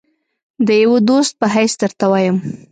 د یوه دوست په حیث درته وایم.